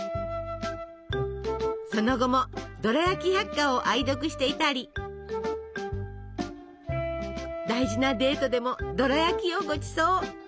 その後も「ドラヤキ百科」を愛読していたり大事なデートでもドラやきをごちそう。